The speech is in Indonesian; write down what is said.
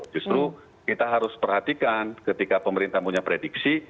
justru kita harus perhatikan ketika pemerintah punya prediksi